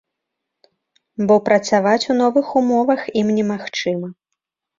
Бо працаваць у новых умовах ім немагчыма.